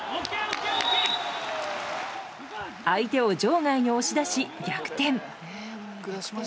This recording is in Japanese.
相手を場外に押し出し逆転。